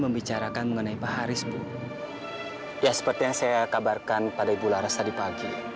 membicarakan mengenai pak haris ya seperti seeayak kabarkan pada pula rasa dipakai